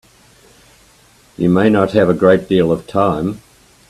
You may not have a great deal of time.